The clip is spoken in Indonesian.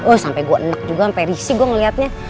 woy sampe gue enak juga sampe risih gue ngeliatnya